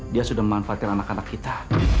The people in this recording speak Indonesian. dia sudah memanfaatkan anak anak kita